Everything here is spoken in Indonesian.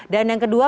dan yang kedua